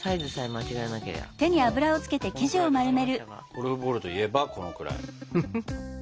ゴルフボールといえばこのくらい。